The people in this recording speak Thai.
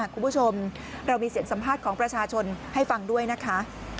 คุณผู้ชมเรามีเสียงสัมภาษณ์ของประชาชนให้ฟังด้วยนะคะ